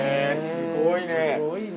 すごいな。